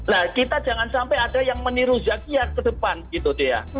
lah kita jangan sampai ada yang meniru zakia ke depan gitu dea